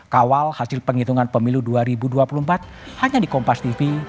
kawal hasil penghitungan pemilu dua ribu dua puluh empat hanya di kompas tv